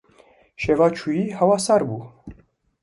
Şeva çûyî hewa sar bû.